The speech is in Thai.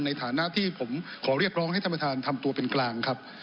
ในฐานะที่ผมขอเรียกร้องให้ท่านประธานทำตัวเป็นกลางครับ